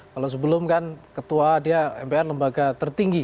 kalau sebelum kan ketua dia mpr lembaga tertinggi